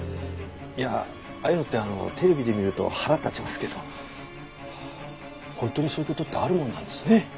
いやああいうのってテレビで見ると腹立ちますけど本当にそういう事ってあるもんなんですね。